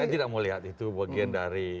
saya tidak mau lihat itu bagian dari